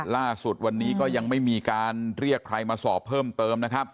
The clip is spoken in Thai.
ล่าสุดวันนี้ก็ยังไม่มีการเรียกใครมาสอบเพิ่มเติมนะครับ